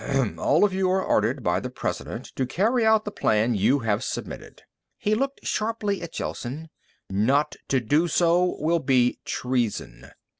"All of you are ordered by the President to carry out the plan you have submitted." He looked sharply at Gelsen. "Not to do so will be treason."